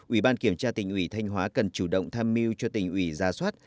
ủy ban kiểm tra tình ủy thanh hóa cần chủ động tham mưu cho tình ủy ra soát